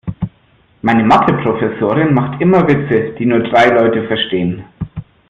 Meine Mathe-Professorin macht immer Witze, die nur drei Leute verstehen.